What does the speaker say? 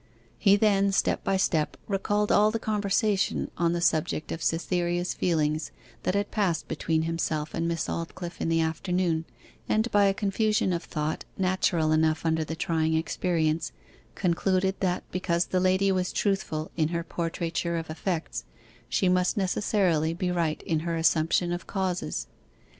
He then, step by step, recalled all the conversation on the subject of Cytherea's feelings that had passed between himself and Miss Aldclyffe in the afternoon, and by a confusion of thought, natural enough under the trying experience, concluded that because the lady was truthful in her portraiture of effects, she must necessarily be right in her assumption of causes.